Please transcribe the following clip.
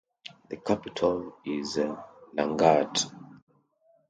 The capital is Laghouat.